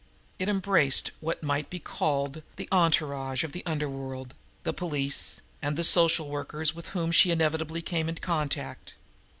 It embraced what might be called the entourage of the underworld, the police and the social workers with whom she inevitably came in contact.